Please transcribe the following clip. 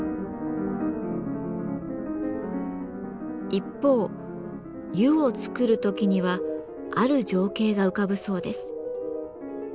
一方「ゆ」を作る時にはある情景が浮かぶそうです。